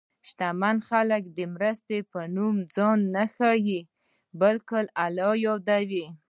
شتمن خلک د مرستې په نوم ځان نه ښيي، بلکې الله یادوي.